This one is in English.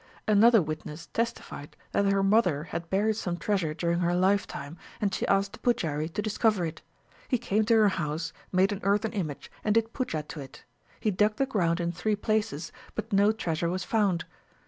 Another witness testified that her mother had buried some treasure during her lifetime, and she asked the pujari to discover it. He came to her house, made an earthen image, and did puja to it. He dug the ground in three places, but no treasure was found.